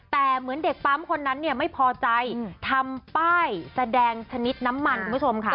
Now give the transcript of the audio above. แต่เหมือนเด็กปั๊มคนนั้นเนี่ยไม่พอใจทำป้ายแสดงชนิดน้ำมันคุณผู้ชมค่ะ